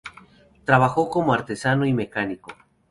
Trabajó como artesano y mecánico.